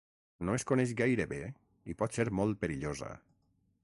No es coneix gaire bé i pot ser molt perillosa.